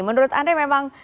menurut anda memang